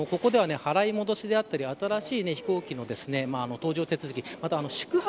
ここでは、払い戻しだったり新しい飛行機の搭乗手続き。